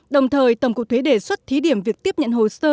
đồng thời tổng cục thuế đề xuất thí điểm việc tiếp nhận hồ sơ